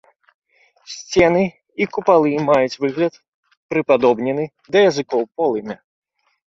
Сцены і купалы маюць выгляд прыпадобнены да языкоў полымя.